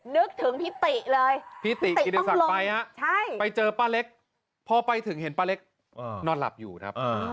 นึกถึงพี่ติ๋เลยพี่ติ๋ต้องลงไปเจอป้าเล็กพอไปถึงเห็นป้าเล็กนอนหลับอยู่นะครับ